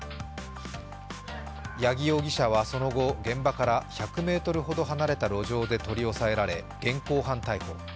八木容疑者はその後、現場から１００ｍほど離れた路上で取り押さえられ、現行犯逮捕。